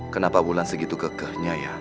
kenapa bulan segitu kekehnya ya